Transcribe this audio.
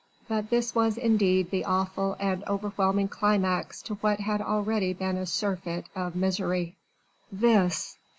But this was indeed the awful and overwhelming climax to what had already been a surfeit of misery. This!